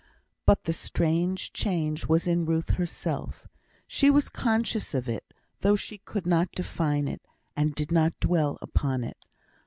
But the strange change was in Ruth herself. She was conscious of it though she could not define it, and did not dwell upon it.